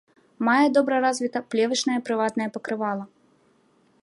Мае добра развітае плевачнае прыватнае пакрывала.